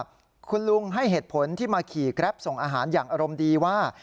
จะนะยังมีเหตุผลที่ม่ากี่แกรปส่งอาหารอย่างอารมณ์ดีว่า